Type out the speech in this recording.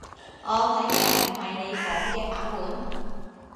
我睇嘅唔係你講嘅版本